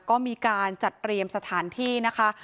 ก็มีการจัดเตรียมสถานที่นะคะ